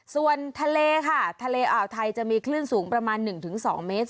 ส่วนทะเลค่ะทะเลอ่อไทยจะมีคลื่นสูงประมาณหนึ่งถึงสองเมตร